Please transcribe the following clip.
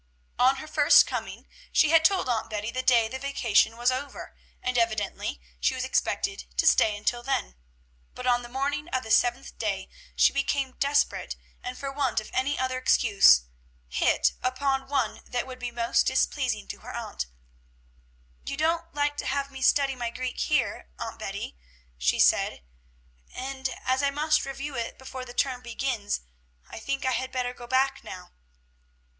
On her first coming, she had told Aunt Betty the day the vacation was over, and evidently she was expected to stay until then; but on the morning of the seventh day she became desperate, and for want of any other excuse hit upon one that would be most displeasing to her aunt. "You don't like to have me study my Greek here, Aunt Betty," she said; "and, as I must review it before the term begins, I think I had better go back now."